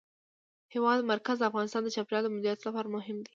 د هېواد مرکز د افغانستان د چاپیریال د مدیریت لپاره مهم دي.